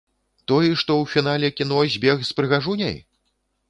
Той, што у фінале кіно збег з прыгажуняй?